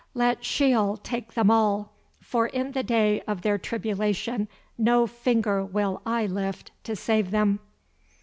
Let Sheol take them all, for in the day of their tribulation no finger will I lift to save them."